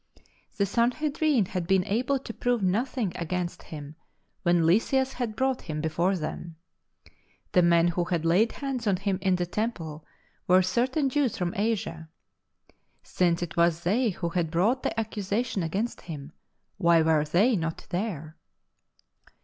The Sanhedrin had been able to piove nothing against him when Lysias had brought him before them. The men wLo had laid hands on him in the Temple were certain Jews from Asia. Since it was they who had brought the accusation against him, why were they not there